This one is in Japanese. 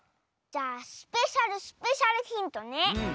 じゃあスペシャルスペシャルヒントね。